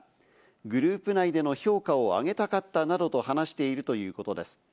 グループ内での評価を上げたかったなどと話しているということです。